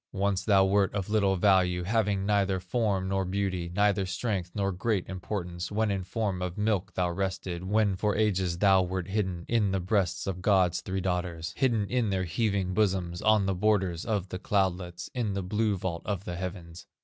Once thou wert of little value, Having neither form nor beauty, Neither strength nor great importance, When in form of milk thou rested, When for ages thou wert hidden In the breasts of God's three daughters, Hidden in their heaving bosoms, On the borders of the cloudlets, In the blue vault of the heavens.